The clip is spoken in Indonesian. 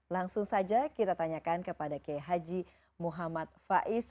langsung saja kita tanyakan kepada k h muhammad faiz